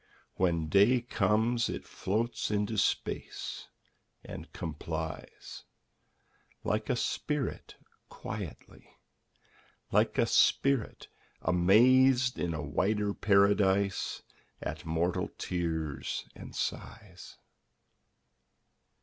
When day comes, it floats into space and com plies ; Like a spirit quietly, Like a spirit, amazed in a wider paradise At mortal tears and sighs.